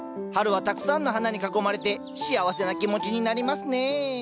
春はたくさんの花に囲まれて幸せな気持ちになりますね